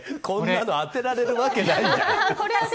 こんなの当てられるわけないじゃん。